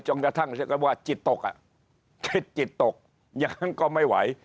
จงจะทั้งเชื่อกันว่าจิตตกอ่ะจิตจิตตกยังก็ไม่ไหว